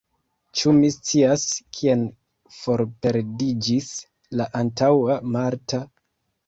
Ĉu mi scias, kien forperdiĝis la antaŭa Marta?